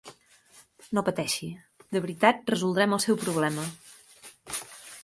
No pateixi, de veritat resoldrem el seu problema.